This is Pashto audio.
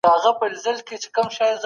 ټولنيز پيوستون څنګه پياوړی کړو؟